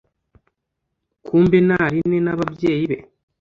kumbe ni aline n’ababyeyi be